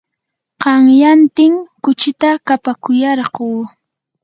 qanyantin kuchita kapakuyarquu.